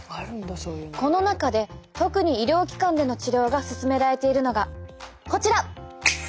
この中で特に医療機関での治療が勧められているのがこちら。